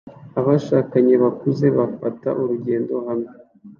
Abashakanye bakuze bafata urugendo hamwe